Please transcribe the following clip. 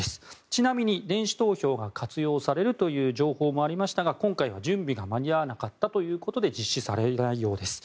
ちなみに電子投票が活用されるという情報もありましたが今回、準備が間に合わなかったということで実施されないようです。